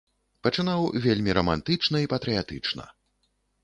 Пачынаў вельмі рамантычна і патрыятычна.